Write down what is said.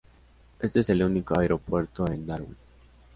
Este es el único aeropuerto en Darwin.